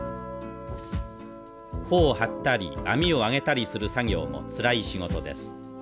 帆を張ったり網を揚げたりする作業もつらい仕事です。